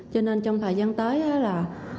cho nên trong thời gian tới là